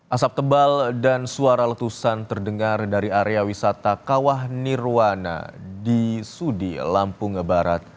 asap tebal dan suara letusan terdengar dari area wisata kawah nirwana di sudi lampung barat